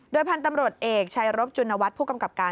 พันธุ์ตำรวจเอกชายรบจุณวัฒน์ผู้กำกับการ